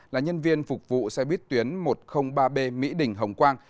là nhân viên phục vụ xe buýt tuyến một trăm linh ba b mỹ đình hồng quang